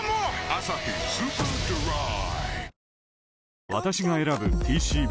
「アサヒスーパードライ」